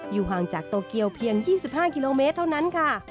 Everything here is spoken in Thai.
ห่างจากโตเกียวเพียง๒๕กิโลเมตรเท่านั้นค่ะ